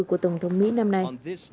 của tổng thống mỹ năm nay